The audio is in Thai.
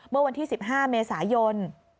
เมื่อวันที่๑๕เมษายน